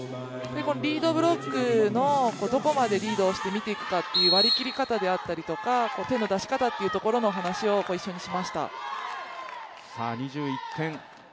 リードブロックのどこまでリードをして見ていくかという割り切り方であったりとか、手の出し方の話を一緒にしました。